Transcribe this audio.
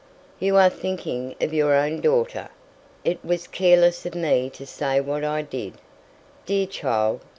"You are thinking of your own daughter. It was careless of me to say what I did. Dear child!